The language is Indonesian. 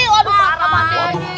aduh pak ustadz